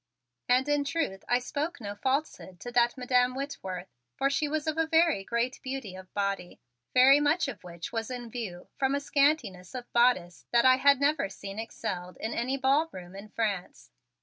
And in truth I spoke no falsehood to that Madam Whitworth, for she was of a very great beauty of body, very much of which was in view from a scantiness of bodice that I had never seen excelled in any ballroom in France.